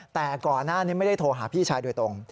แต่ก่อนหน้านี้ไม่ได้โทรหาพี่ชายโดยตรง